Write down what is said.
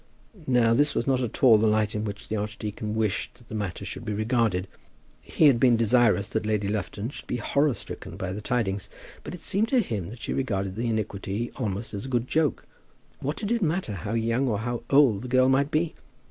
Now this was not at all the light in which the archdeacon wished that the matter should be regarded. He had been desirous that Lady Lufton should be horror stricken by the tidings, but it seemed to him that she regarded the iniquity almost as a good joke. What did it matter how young or how old the girl might be?